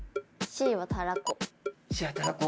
Ｃはたらこ。